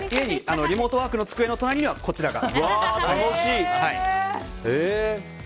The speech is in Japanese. リモートワークの机の横にはこちらが。